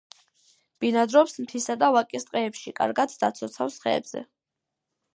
ბინადრობს მთისა და ვაკის ტყეებში, კარგად დაცოცავს ხეებზე.